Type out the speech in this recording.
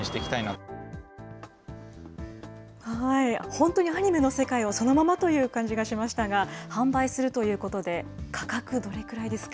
本当にアニメの世界をそのままという感じがしましたが、販売するということで、価格、どれくらいですか？